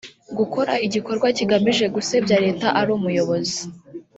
gukora igikorwa kigamije gusebya Leta ari Umuyobozi